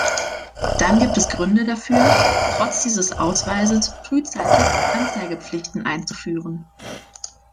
Dann gibt es Gründe dafür, trotz dieses Ausweises frühzeitig Anzeigepflichten einzuführen.